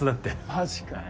マジかよ。